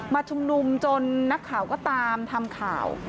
ชุมนุมจนนักข่าวก็ตามทำข่าว